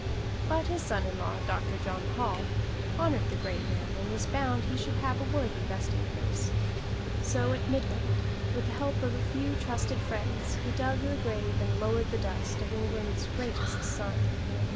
But his son in law, Doctor John Hall, honored the great man and was bound he should have a worthy resting place; so at midnight, with the help of a few trusted friends, he dug the grave and lowered the dust of England's greatest son.